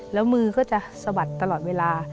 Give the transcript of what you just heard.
แล้วมือก็จะสะบัดตลอดเวลา